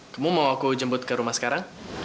kamu mau aku jemput ke rumah sekarang